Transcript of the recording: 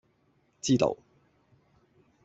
知道